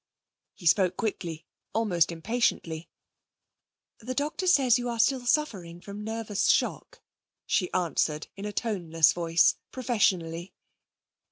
He spoke quickly, almost impatiently. 'The doctor says you're still suffering from nervous shock;' she answered in a toneless voice, professionally.